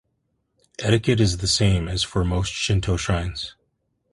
Etiquette is the same as for most Shinto shrines.